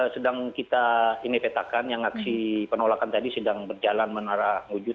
sedang kita ini petakan yang aksi penolakan tadi sedang berjalan menara wujud